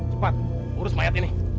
cepat urus mayat ini